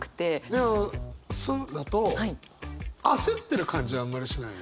でも「すん」だと焦ってる感じあんまりしないね。